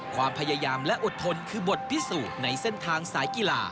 ความพยายามและอดทนคือบทพิสูจน์ในเส้นทางสายกีฬา